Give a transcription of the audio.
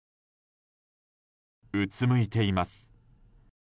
うつむいています。